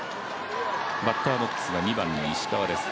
バッターボックスが２番の石川です。